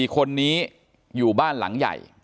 ๔คนนี้อยู่บ้านหลังใหญ่